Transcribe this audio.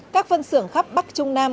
các phân xưởng khắp bắc trung nam